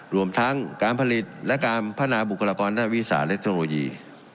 รวมทั้งการผลิตและการพัฒนาบุคลากรด้านวิสาและเทคโนโลยี